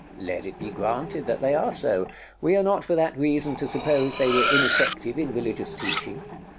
Let it be granted that they are so; we are not for that reason to suppose they were ineffective in religious teaching.